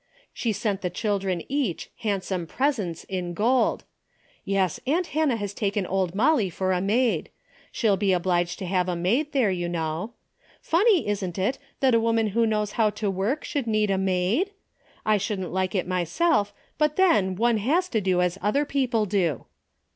She sent the children each handsome presents in gold. Yes, aunt Hannah has taken old Molly for a maid. She'll be obliged to have a maid there, you know. Funny, isn't it, that a woman who knows how to work should need a maid ? I shouldn't like it myself, but then one has to do as other people do."